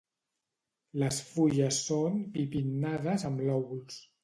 Les fulles són bipinnades amb lòbuls.